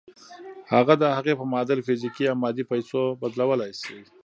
هغه د هغې په معادل فزيکي يا مادي پيسو بدلولای شئ.